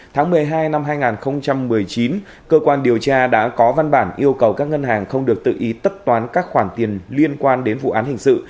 tháng một mươi hai năm hai nghìn một mươi chín cơ quan điều tra đã có văn bản yêu cầu các ngân hàng không được tự ý tất toán các khoản tiền liên quan đến vụ án hình sự